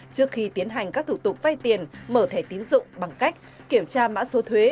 trước khi tiến hành các thủ tục vay tiền mở thẻ tín dụng bằng cách kiểm tra mã số thuế